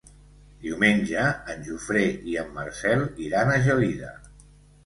Diumenge en Jofre i en Marcel iran a Gelida.